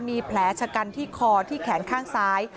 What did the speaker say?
มีแผลชะกันที่คอที่แขนข้างซ้าย